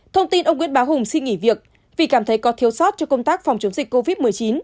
thông tin ông nguyễn bá hùng xin nghỉ việc vì cảm thấy có thiếu sót cho công tác phòng chống dịch covid một mươi chín